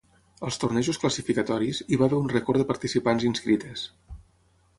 Als tornejos classificatoris, hi va haver un rècord de participants inscrites.